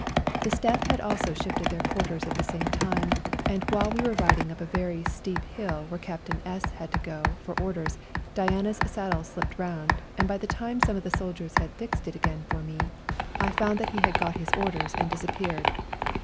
The staff had also 1 shifted their quarters at the same time, and while we were riding up a very steep hill where Captain S had to go for orders Diana's saddle slipped round, and i by the time some of the soldiers had fixed j it again for me I found he had got his ' 126 FIGHTING ON MOUNT CHUKUS 127 orders and disappeared.